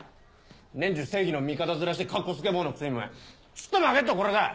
年中正義の味方面してカッコつけ坊のくせにお前ちょっと負けっとこれか！